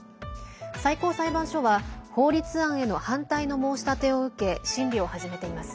最高裁判所は、法律案への反対の申し立てを受け審理を始めています。